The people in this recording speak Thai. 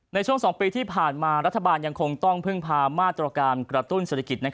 ในช่วง๒ปีที่ผ่านมารัฐบาลยังคงต้องพึ่งพามาตรการกระตุ้นเศรษฐกิจ